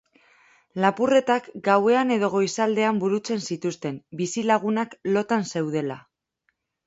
Lapurretak gauean edo goizaldean burutzen zituzten, bizilagunak lotan zeudela.